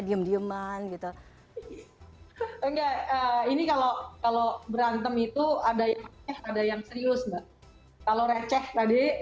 diem diem an gitu enggak ini kalau kalau berantem itu ada yang ada yang serius kalau receh tadi